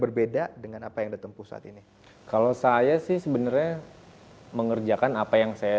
berbeda dengan apa yang ditempuh saat ini kalau saya sih sebenarnya mengerjakan apa yang saya